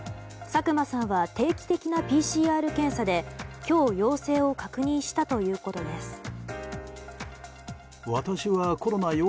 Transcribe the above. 作間さんは定期的なＰＣＲ検査で今日、陽性を確認したということです。